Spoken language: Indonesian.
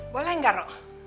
boleh nggak rok